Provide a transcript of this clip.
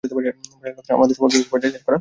আমাদের সম্পর্কটা ঐ পর্যায়েই শেষ করা উচিত ছিল।